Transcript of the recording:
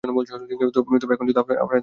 ওকে, এখন শুধু আপনাদের জন্য অপেক্ষা।